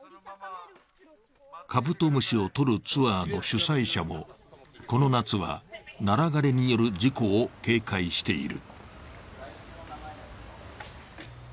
カブトムシをとるツアーの主催者もこの夏はナラ枯れによる事故を警戒している。